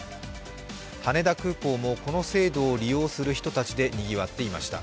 羽田空港もこの制度を利用する人たちでにぎわっていました。